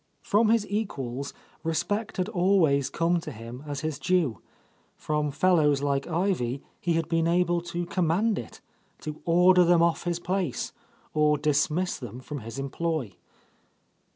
From his equals, respect had always come to him as his due; from fellows like Ivy he had been able to command it, — to order them off his place, or dismiss them from his employ.